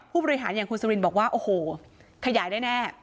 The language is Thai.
ผู้บริหารอย่างคุณสุรินบอกว่าโอ้โหขยายได้แน่